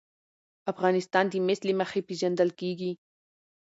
افغانستان د مس له مخې پېژندل کېږي.